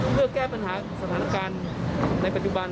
เพื่อแก้ปัญหาสถานการณ์ในปัจจุบัน